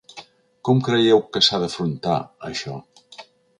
Com creieu que s’ha d’afrontar això?